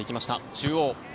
中央。